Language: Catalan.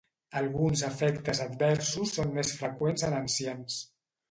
Alguns efectes adversos són més freqüents en ancians.